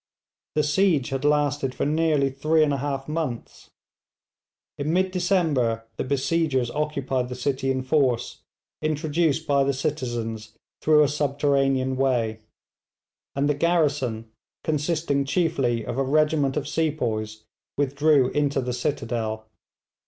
The siege had lasted for nearly three and a half months. In mid December the besiegers occupied the city in force, introduced by the citizens through a subterranean way; and the garrison, consisting chiefly of a regiment of sepoys, withdrew into the citadel.